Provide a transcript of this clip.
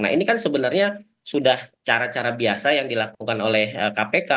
nah ini kan sebenarnya sudah cara cara biasa yang dilakukan oleh kpk